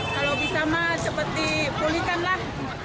kalau bisa mah seperti pulihkan lah